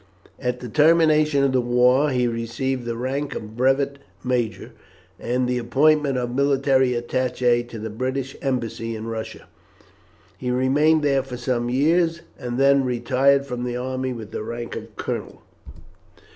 At the termination of the war he received the rank of brevet major, and the appointment of military attaché to the British embassy in Russia. He remained there for some years, and then retired from the army with the rank of colonel.